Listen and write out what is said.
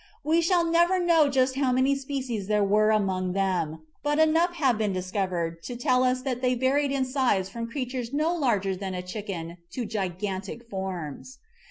We shall never know just how many species there were among them, but enough have been discovered to tell us that they varied in size from creatures no larger than a chicken to gigantic forms.